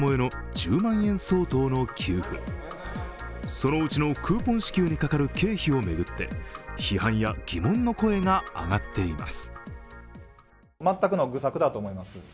そのうちのクーポン支給に関する経費を巡って、批判や疑問の声が上がっています。